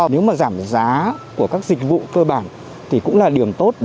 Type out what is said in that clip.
nếu mà giảm giá của các dịch vụ cơ bản thì cũng là điều tốt